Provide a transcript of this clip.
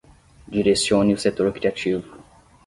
Direcione o setor criativo